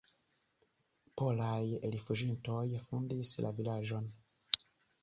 Polaj rifuĝintoj fondis la vilaĝon.